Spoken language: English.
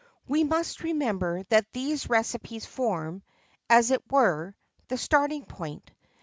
We must remember that these recipes form, as it were, the starting point.